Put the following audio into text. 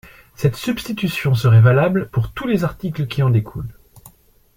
Cette substitution serait valable pour tous les articles qui en découlent.